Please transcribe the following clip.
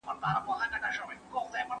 زه غواړم چې په راتلونکي کې حج ته لاړ شم.